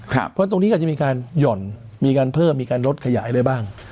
เพราะตรงนี้ก็จะมีการหย่อนมีการเพิ่มมีการลดขยายอะไรบ้าง